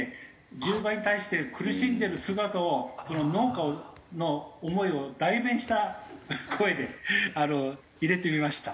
獣害に対して苦しんでる姿をその農家の思いを代弁した声で入れてみました。